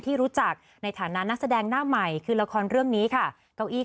ที่รู้จักในฐานะนักแสดงหน้าใหม่คือละครเรื่องนี้ค่ะเก้าอี้